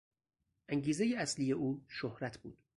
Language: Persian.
انگیزهی اصلی او شهرت بود.